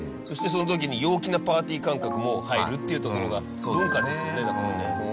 そしてその時に陽気なパーティー感覚も入るっていうところが文化ですよねだからね。